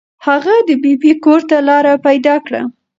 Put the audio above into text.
هغه د ببۍ کور ته لاره پیدا کړه.